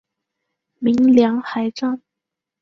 鸣梁海战